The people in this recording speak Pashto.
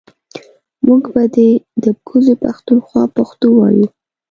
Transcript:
مونږ به ده ده کوزې پښتونخوا پښتو وايو